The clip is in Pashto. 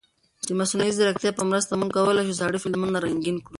د مصنوعي ځیرکتیا په مرسته موږ کولای شو زاړه فلمونه رنګین کړو.